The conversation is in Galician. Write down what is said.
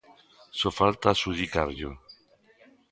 Só falta adxudicarllo.